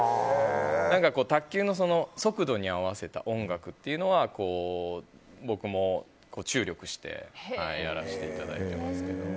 何か卓球の速度に合わせた音楽というのは僕も注力してやらせていただいてます。